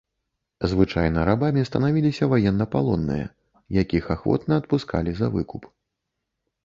Звычайна рабамі станавіліся ваеннапалонныя, якіх ахвотна адпускалі за выкуп.